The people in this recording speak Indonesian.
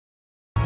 hanya tych eh